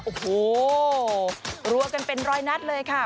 โอ้โหรัวกันเป็นร้อยนัดเลยค่ะ